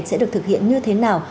sẽ được thực hiện như thế nào